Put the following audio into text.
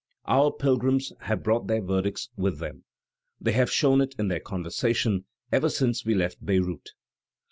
Our pilgrims have brought their verdicts with them. They have shown it in their conversation ever since we left Beirout.